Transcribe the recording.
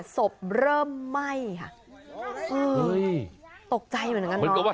ศพเริ่มไหม้ค่ะตกใจเหมือนกันเนาะ